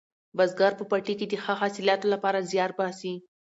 بزګر په پټي کې د ښه حاصلاتو لپاره زیار باسي